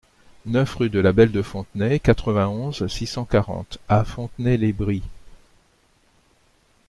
neuf rue de la Belle de Fontenay, quatre-vingt-onze, six cent quarante à Fontenay-lès-Briis